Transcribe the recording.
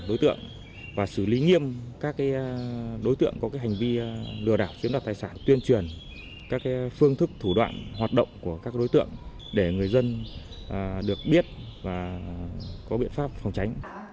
đối tượng và xử lý nghiêm các đối tượng có hành vi lừa đảo chiếm đặt tài sản tuyên truyền các phương thức thủ đoạn hoạt động của các đối tượng để người dân được biết và có biện pháp phòng tránh